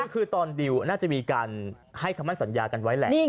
คือตอนดิวน่าจะมีการให้คำมั่นสัญญากันไว้แหละ